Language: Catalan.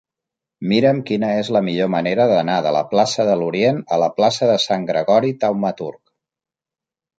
Mira'm quina és la millor manera d'anar de la plaça de l'Orient a la plaça de Sant Gregori Taumaturg.